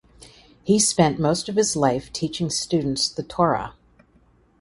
He spent most of his life teaching students the Torah.